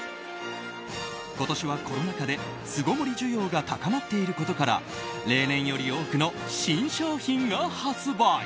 今年は、コロナ禍で巣ごもり需要が高まっていることから例年より多くの新商品が発売。